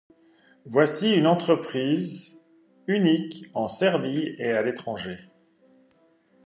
Voici c' est une entreprise unique en Serbie et à l'étranger.